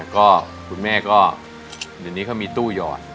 ก็คุณแม่ก็เดี๋ยวนี้เขามีตู้หยอด